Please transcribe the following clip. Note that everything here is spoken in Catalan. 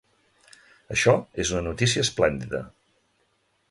Això és una notícia esplèndida!